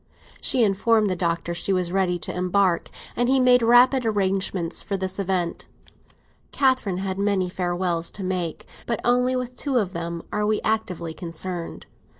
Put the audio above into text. She informed the Doctor she was ready to embark, and he made rapid arrangements for this event. Catherine had many farewells to make, but with only two of them are we actively concerned. Mrs.